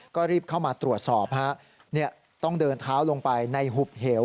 ก็รีบเข้ามาตรวจสอบฮะต้องเดินเท้าลงไปในหุบเหว